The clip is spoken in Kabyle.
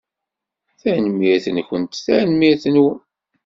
Tanemmirt-nkent tanemmirt-nwen.